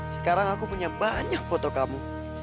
sekarang aku punya banyak foto kamu